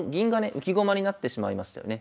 浮き駒になってしまいましたよね。